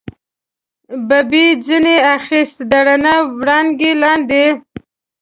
به یې ځنې اخیست، د رڼا وړانګې لاندې.